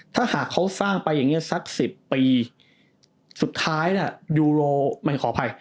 ถ้าหากเขาสร้างไปอย่างนี้สัก๑๐ปีสุดท้ายนะ